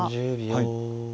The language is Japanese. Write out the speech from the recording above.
はい。